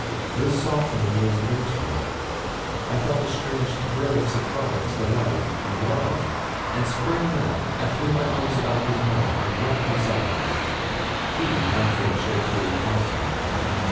This softening was new to me. I felt a strange thrill of surprise, delight, and love, and springing up, I threw my arms about his neck and wept in silence. He, I think, shed tears also.